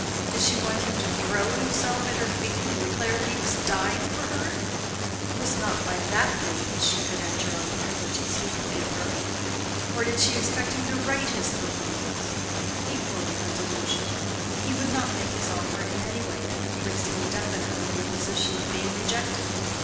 Did she want him to throw himself at her feet and declare that he was dying for her? It was not by that gate that she could enter on the privileges he could give her. Or did she expect him to write his proposals? Equally a delusion. He would not make his offer in any way that could place him definitely in the position of being rejected.